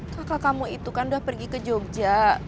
kakak kamu itu kan udah pergi ke jogja